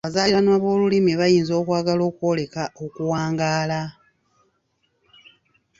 Abazaaliranwa b’olulimi bayinza okwagala okwoleka okuwangaala.